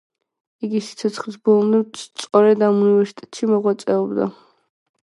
იგი სიცოცხლის ბოლომდე სწორედ ამ უნივერსიტეტში მოღვაწეობდა.